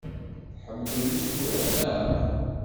Tḥemmlem isura, naɣ?